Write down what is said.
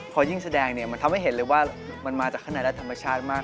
พอยิ่งแสดงเนี่ยมันทำให้เห็นเลยว่ามันมาจากข้างในและธรรมชาติมาก